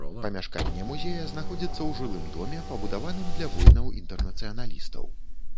Памяшканне музея знаходзіцца ў жылым доме, пабудаваным для воінаў-інтэрнацыяналістаў.